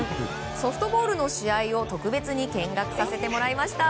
ソフトボールの試合を特別に見学させてもらいました。